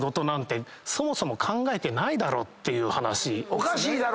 おかしいだろうと？